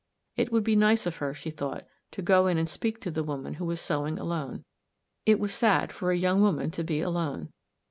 It would be nice of her, she thought, to go in and speak to the woman who was sewing alone. It was sad for a young woman to be alone.